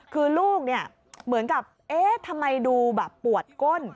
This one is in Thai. คือลูกเหมือนกับทำไมดูแบบปวดก้น